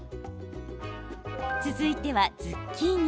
続いては、ズッキーニ。